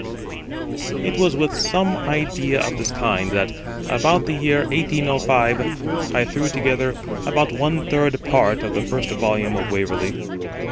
It was with some idea of this kind that, about the year 1805, I threw together about one third part of the first volume of Waverley.